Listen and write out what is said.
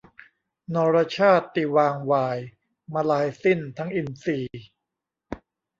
นรชาติวางวาย มลายสิ้นทั้งอินทรีย์